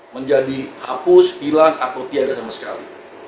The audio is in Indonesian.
menjadi hapus hilang atau tiada sama sekali